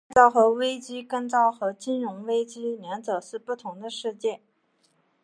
另外昭和危机跟昭和金融危机两者是不同的事件。